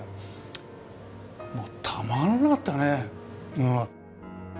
もうたまらなかったねうん。